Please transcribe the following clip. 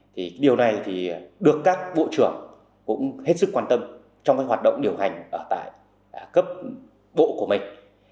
thì điều này thì được các bộ trưởng cũng hết sức quan tâm trong cái hoạt động điều hành ở tại cấp bộ của mình